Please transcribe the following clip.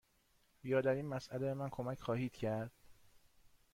یا در این مسأله به من کمک خواهید کرد؟